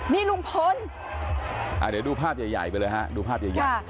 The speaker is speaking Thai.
นี่ลุงพลเดี๋ยวดูภาพใหญ่ไปเลยฮะดูภาพใหญ่